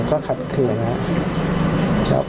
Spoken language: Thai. ผมก็คัดเครื่องแล้ว